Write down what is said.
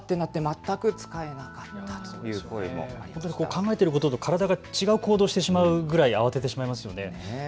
考えていることと体が違う行動をしてしまうぐらい慌ててしまいますよね。